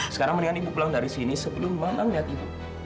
sekarang mendingan ibu pulang dari sini sebelum mana melihat ibu